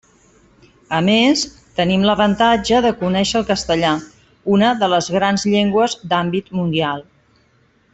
A més, tenim l'avantatge de conéixer el castellà, una de les grans llengües d'àmbit mundial.